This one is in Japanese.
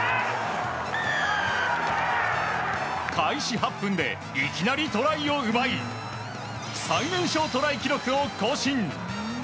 開始８分でいきなりトライを奪い最年少トライ記録を更新。